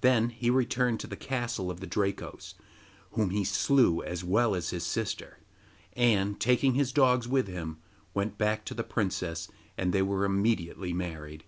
Then he returned to the castle of the Drakos, whom he slew as well as his sister; and, taking his dogs with him, went back to the princess and they were immediately married.